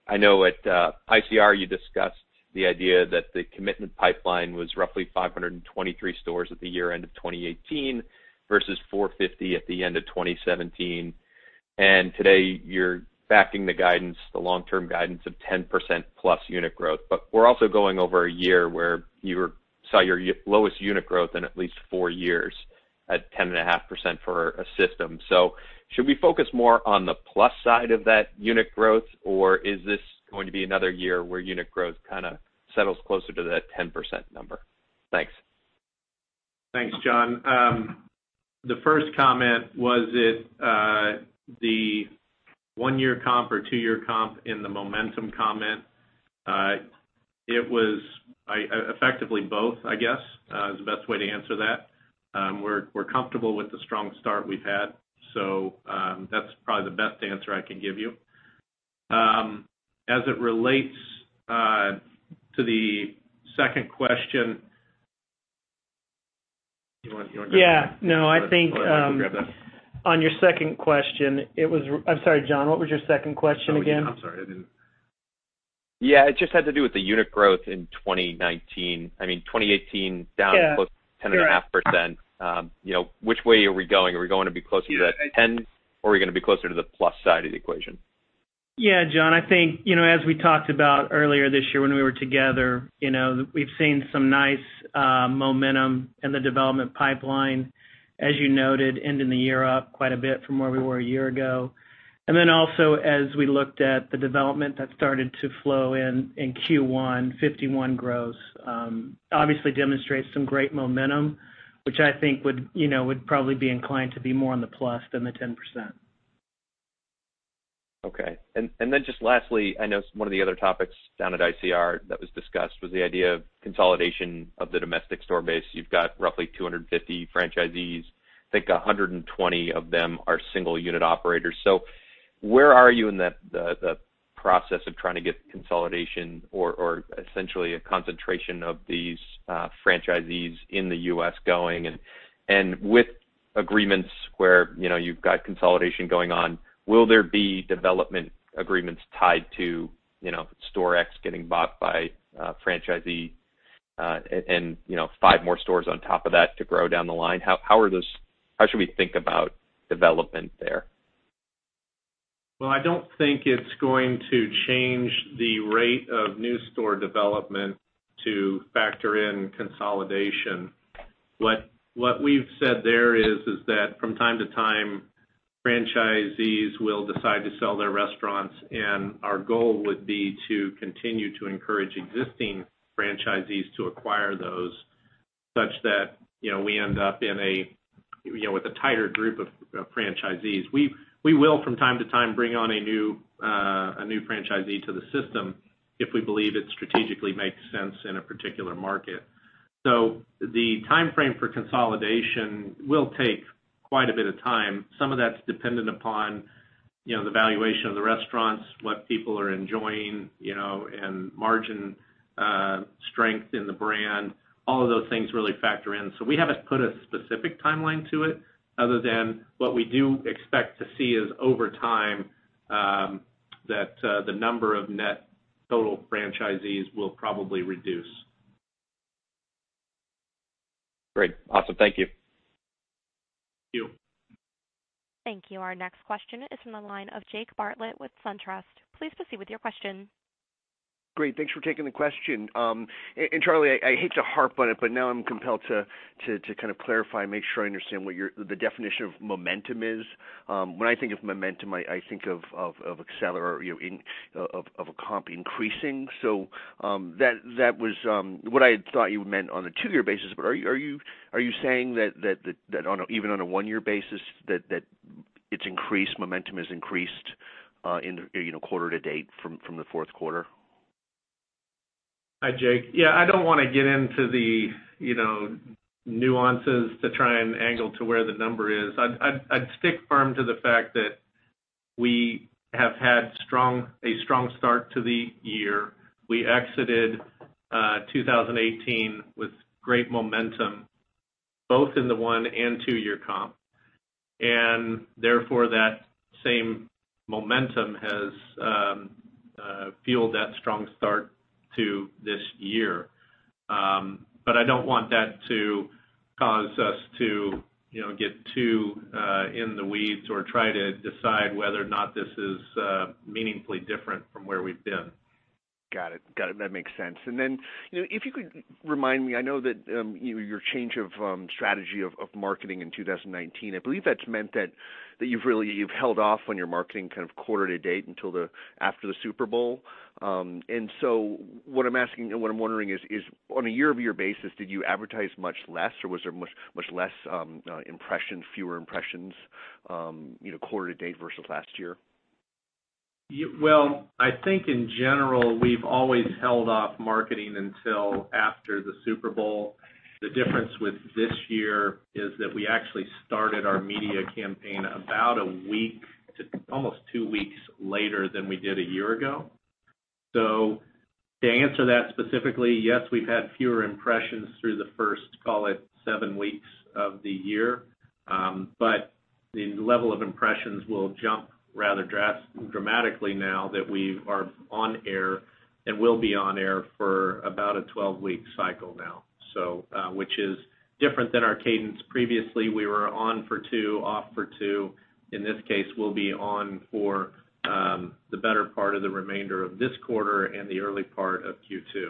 I know at ICR, you discussed the idea that the commitment pipeline was roughly 523 stores at the year-end of 2018 versus 450 at the end of 2017. Today you're backing the guidance, the long-term guidance of 10% plus unit growth. We're also going over a year where you saw your lowest unit growth in at least four years at 10.5% for a system. Should we focus more on the plus side of that unit growth, or is this going to be another year where unit growth kind of settles closer to that 10% number? Thanks. Thanks, Jon. The first comment, was it the one-year comp or two-year comp in the momentum comment? It was effectively both, I guess, is the best way to answer that. We're comfortable with the strong start we've had. That's probably the best answer I can give you. As it relates to the second question, you want to go? Yeah. No, I think- Or I can grab that. On your second question, it was I'm sorry, Jon, what was your second question again? No, I'm sorry. I didn't. Yeah, it just had to do with the unit growth in 2019. I mean, 2018 down close to 10.5%. Yeah. Correct. Which way are we going? Are we going to be closer to that 10, or are we going to be closer to the plus side of the equation? Yeah, Jon, I think, as we talked about earlier this year when we were together, we've seen some nice momentum in the development pipeline, as you noted, ending the year up quite a bit from where we were a year ago. As we looked at the development that started to flow in Q1, 51 gross, obviously demonstrates some great momentum, which I think would probably be inclined to be more on the plus than the 10%. Okay. Just lastly, I know some of the other topics down at ICR that was discussed was the idea of consolidation of the domestic store base. You've got roughly 250 franchisees. I think 120 of them are single-unit operators. Where are you in the process of trying to get consolidation or essentially a concentration of these franchisees in the U.S. going? With agreements where you've got consolidation going on, will there be development agreements tied to store X getting bought by a franchisee, and five more stores on top of that to grow down the line? How should we think about development there? Well, I don't think it's going to change the rate of new store development to factor in consolidation. What we've said there is that from time to time, franchisees will decide to sell their restaurants, and our goal would be to continue to encourage existing franchisees to acquire those such that we end up with a tighter group of franchisees. We will, from time to time, bring on a new franchisee to the system if we believe it strategically makes sense in a particular market. The timeframe for consolidation will take quite a bit of time. Some of that's dependent upon the valuation of the restaurants, what people are enjoying, and margin strength in the brand. All of those things really factor in. We haven't put a specific timeline to it other than what we do expect to see is over time, that the number of net total franchisees will probably reduce. Great. Awesome. Thank you. Thank you. Thank you. Our next question is from the line of Jake Bartlett with SunTrust. Please proceed with your question. Great. Thanks for taking the question. Charlie, I hate to harp on it, but now I'm compelled to kind of clarify and make sure I understand what the definition of momentum is. When I think of momentum, I think of a comp increasing. That was what I had thought you meant on a two-year basis. Are you saying that even on a one-year basis that its increased momentum has increased quarter to date from the fourth quarter? Hi, Jake. Yeah, I don't want to get into the nuances to try and angle to where the number is. I'd stick firm to the fact that we have had a strong start to the year. We exited 2018 with great momentum, both in the one and two-year comp. Therefore, that same momentum has fueled that strong start to this year. I don't want that to cause us to get too in the weeds or try to decide whether or not this is meaningfully different from where we've been. Got it. Got it. That makes sense. If you could remind me, I know that your change of strategy of marketing in 2019, I believe that's meant that you've held off on your marketing kind of quarter to date until after the Super Bowl. What I'm wondering is, on a year-over-year basis, did you advertise much less, or was there much less impression, fewer impressions quarter to date versus last year? Well, I think in general, we've always held off marketing until after the Super Bowl. The difference with this year is that we actually started our media campaign about a week to almost two weeks later than we did a year ago. To answer that specifically, yes, we've had fewer impressions through the first, call it seven weeks of the year. The level of impressions will jump rather dramatically now that we are on air and will be on air for about a 12-week cycle now. Which is different than our cadence previously. We were on for two, off for two. In this case, we'll be on for the better part of the remainder of this quarter and the early part of Q2.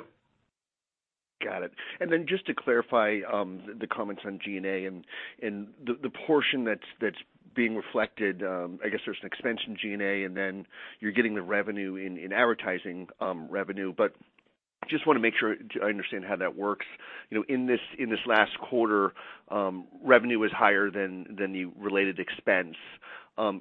Got it. Just to clarify the comments on G&A and the portion that's being reflected, I guess there's an expense in G&A, and then you're getting the revenue in advertising revenue. Just want to make sure I understand how that works. In this last quarter, revenue was higher than the related expense.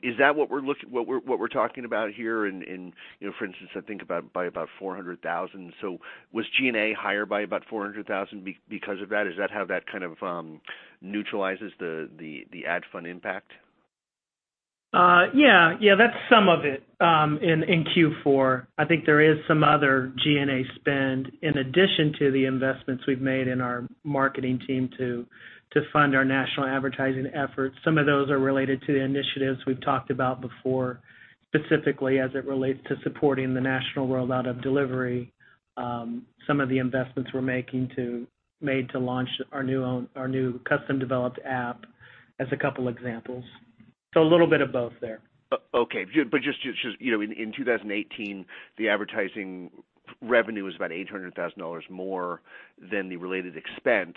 Is that what we're talking about here in, for instance, I think by about $400,000? Was G&A higher by about $400,000 because of that? Is that how that kind of neutralizes the ad fund impact? Yeah. That's some of it in Q4. I think there is some other G&A spend in addition to the investments we've made in our marketing team to fund our national advertising efforts. Some of those are related to the initiatives we've talked about before, specifically as it relates to supporting the national rollout of delivery. Some of the investments we've made to launch our new custom-developed app as a couple examples. A little bit of both there. Okay. Just in 2018, the advertising revenue was about $800,000 more than the related expense.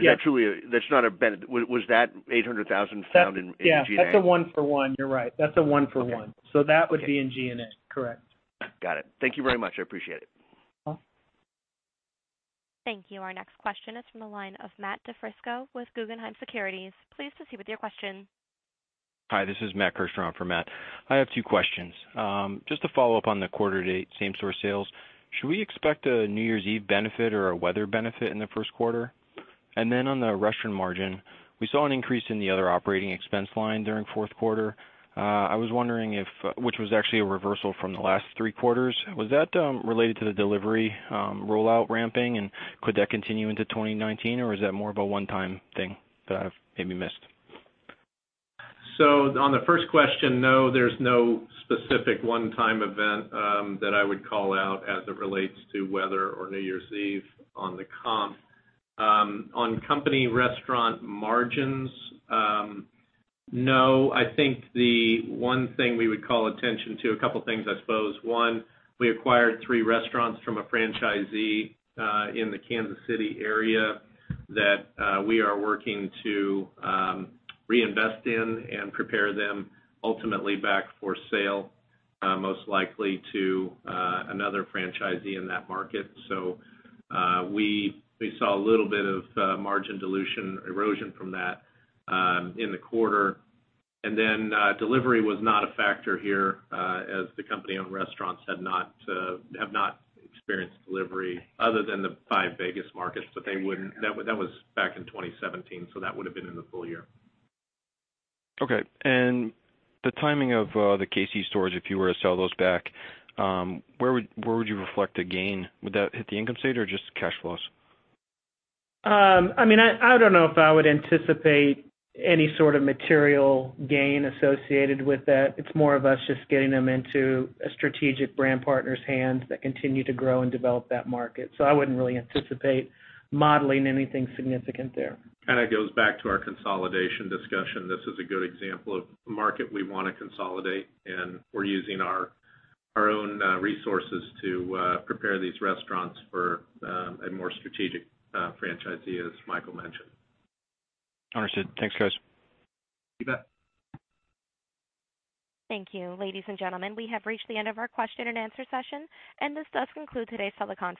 Yes. Was that $800,000 found in G&A? Yeah, that's a one for one. You're right. That's a one for one. Okay. That would be in G&A. Correct. Got it. Thank you very much. I appreciate it. Welcome. Thank you. Our next question is from the line of Matt DiFrisco with Guggenheim Securities. Please proceed with your question. Hi, this is Matt Kirsch on for Matt. I have two questions. Just to follow up on the quarter to date, same store sales. Should we expect a New Year's Eve benefit or a weather benefit in the first quarter? Then on the restaurant margin, we saw an increase in the other operating expense line during fourth quarter. I was wondering if, which was actually a reversal from the last three quarters, was that related to the delivery rollout ramping, and could that continue into 2019, or is that more of a one-time thing that I've maybe missed? On the first question, no, there's no specific one-time event that I would call out as it relates to weather or New Year's Eve on the comp. On company restaurant margins, no. I think the one thing we would call attention to, a couple things, I suppose. One, we acquired three restaurants from a franchisee in the Kansas City area that we are working to reinvest in and prepare them ultimately back for sale most likely to another franchisee in that market. We saw a little bit of margin dilution erosion from that in the quarter. Delivery was not a factor here as the company-owned restaurants have not experienced delivery other than the five Vegas markets, but that was back in 2017, so that would have been in the full year. Okay. The timing of the KC stores, if you were to sell those back, where would you reflect a gain? Would that hit the income statement or just cash flows? I don't know if I would anticipate any sort of material gain associated with that. It's more of us just getting them into a strategic brand partner's hands that continue to grow and develop that market. I wouldn't really anticipate modeling anything significant there. Kind of goes back to our consolidation discussion. This is a good example of a market we want to consolidate, and we're using our own resources to prepare these restaurants for a more strategic franchisee, as Michael mentioned. Understood. Thanks, guys. You bet. Thank you. Ladies and gentlemen, we have reached the end of our question and answer session, and this does conclude today's teleconference.